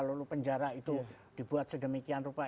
lalu penjara itu dibuat sedemikian rupa